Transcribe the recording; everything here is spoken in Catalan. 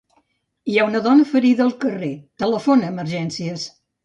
Hi ha una dona ferida al carrer; telefona a Emergències.